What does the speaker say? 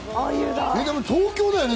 でも、東京だよね？